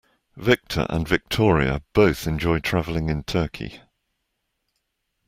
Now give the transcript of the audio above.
Victor and Victoria both enjoy traveling in Turkey.